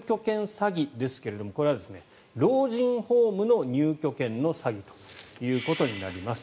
詐欺ですがこれは老人ホームの入居権の詐欺ということになります。